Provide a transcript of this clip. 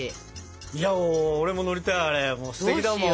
いや俺も乗りたいあれステキだもん。